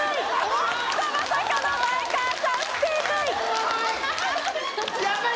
おっとまさかの前川さん不正解おもろい！